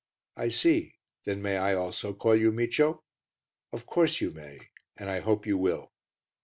"I see; then may I also call you Micio?" "Of course you may, and I hope you will."